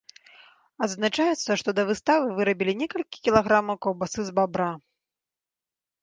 Адзначаецца, што да выставы вырабілі некалькі кілаграмаў каўбасы з бабра.